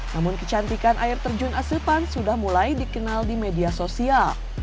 namun kecantikan air terjun asepan sudah mulai dikenal di media sosial